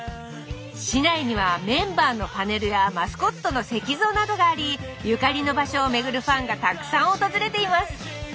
市内にはメンバーのパネルやマスコットの石像などがありゆかりの場所を巡るファンがたくさん訪れています。